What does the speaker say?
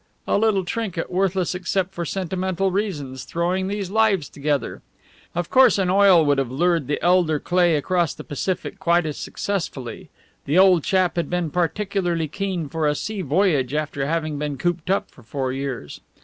A little trinket, worthless except for sentimental reasons, throwing these lives together. Of course an oil would have lured the elder Cleigh across the Pacific quite as successfully. The old chap had been particularly keen for a sea voyage after having been cooped up for four years.